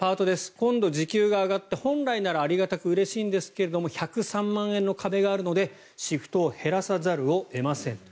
今度、時給が上がって本来ならありがたくうれしいんですが１０３万円の壁があるのでシフトを減らさざるを得ません。